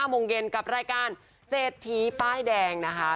โมงเย็นกับรายการเศรษฐีป้ายแดงนะคะ